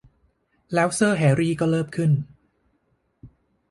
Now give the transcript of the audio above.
แล้วเซอร์ แฮรี่ ก็เริ่มขึ้น